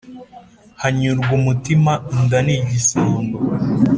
hanyurwa umutima inda ni igisambo